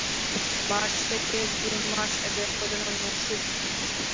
March থেকে June মাস এদের প্রজনন মৌসুম।